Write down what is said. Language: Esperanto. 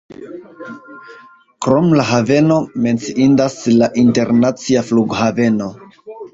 Krom la haveno menciindas la internacia flughaveno.